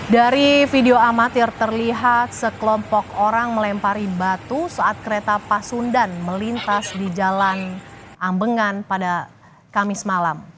dari video amatir terlihat sekelompok orang melempari batu saat kereta pasundan melintas di jalan ambengan pada kamis malam